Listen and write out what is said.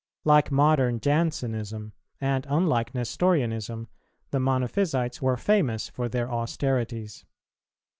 Like modern Jansenism, and unlike Nestorianism, the Monophysites were famous for their austerities.